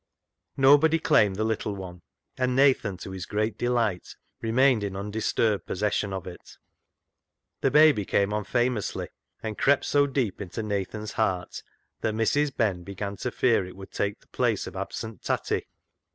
Nobody claimed the little one, and Nathan, to his great delight, remained in undisturbed possession of it. The baby came on famously, and crept so deep into Nathan's heart that Mrs. Ben began to fear it would take the place of the absent Tatty.